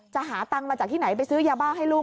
หาตังค์มาจากที่ไหนไปซื้อยาบ้าให้ลูก